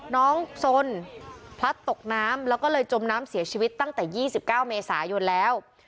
น้องสนพลัดตกน้ำแล้วก็เลยจมน้ำเสียชีวิตตั้งแต่๒๙เมษายนแล้ว